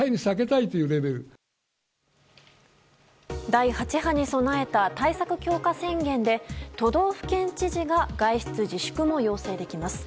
第８波に備えた対策強化宣言で都道府県知事が外出自粛も要請できます。